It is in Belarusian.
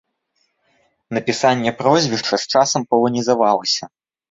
Напісанне прозвішча з часам паланізавалася.